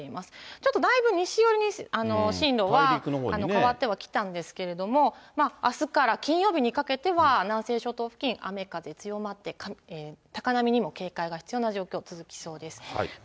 ちょっと大夫、西寄りに進路は変わってはきたんですけれども、あすから金曜日にかけては南西諸島付近、雨風強まって、高波にも警戒が必要な状況、続きそうです。